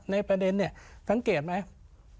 ในประเด็นสังเกตไหม